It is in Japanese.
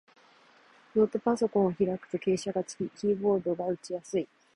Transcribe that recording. ノートパソコンを開くと傾斜がつき、キーボードが打ちやすい